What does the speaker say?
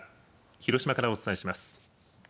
広島からお伝えします。